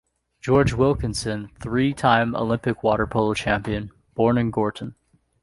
George Wilkinson, three-time Olympic water polo champion, born in Gorton.